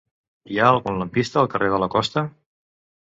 Hi ha algun lampista al carrer de la Costa?